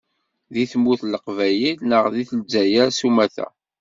Deg tmurt n Leqbayel neɣ deg Lezzayer sumata.